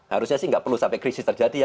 harusnya sih nggak perlu sampai krisis terjadi ya